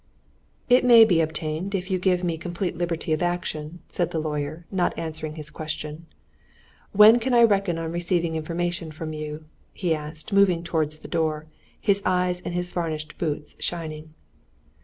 "It may be obtained if you give me complete liberty of action," said the lawyer, not answering his question. "When can I reckon on receiving information from you?" he asked, moving towards the door, his eyes and his varnished boots shining.